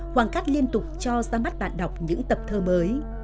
hoàng cắt liên tục cho ra mắt bạn đọc những tập thơ mới